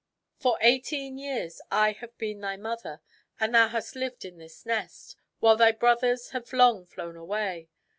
For eighteen years I have been thy mother, and thou hast lived in this nest, while thy brothers have long ago flown away.